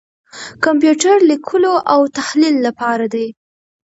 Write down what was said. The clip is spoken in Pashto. کمپیوټر لیکلو او تحلیل لپاره دی.